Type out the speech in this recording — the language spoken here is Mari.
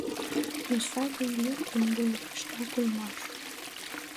Но саде илем ынде лишнак улмаш.